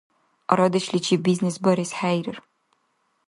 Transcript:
Арадешличиб бизнес барес хӏейрар